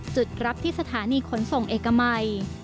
จุดรับที่สถานีขนส่งเอกมัย